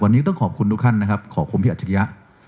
วันนี้ต้องขอบคุณทุกท่านนะครับขอบคุณพี่อัจฉริยะ